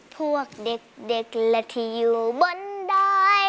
พวกเด็กและที่อยู่บนดอย